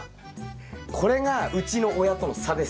これがうちの親との差です。